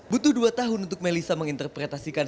butuh dua tahun untuk melissa menginterpretasikan